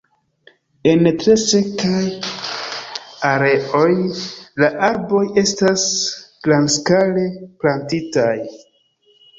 En tre sekaj areoj la arboj estas grandskale plantitaj.